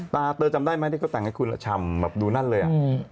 เตอร์จำได้ไหมที่เขาแต่งให้คุณฉ่ำแบบดูนั่นเลยอ่ะ